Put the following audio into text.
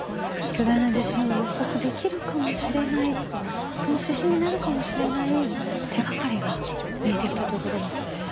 巨大な地震を予測できるかもしれないその指針になるかもしれない手がかりが見えてきたということですね。